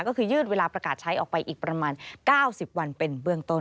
ก็คือยืดเวลาประกาศใช้ออกไปอีกประมาณ๙๐วันเป็นเบื้องต้น